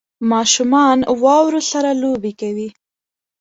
ماشومان واورو سره لوبې کوي